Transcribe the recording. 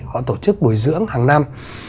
họ tổ chức bồi dưỡng hàng năm